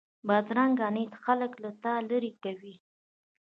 بدرنګه نیت خلک له تا لرې کوي